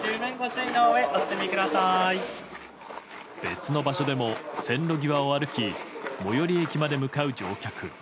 別の場所でも線路際を歩き最寄り駅まで向かう乗客。